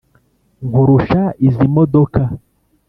Nkurusha izi modoka,